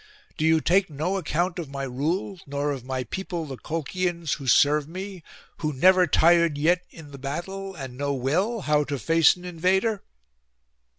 Do you take no account of my rule, nor of my people the Colchians who serve me, who never tired yet in the battle, and know well how to face an invader?